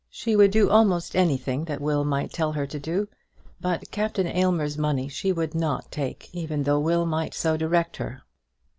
She would do almost anything that Will might tell her to do, but Captain Aylmer's money she would not take, even though Will might so direct her.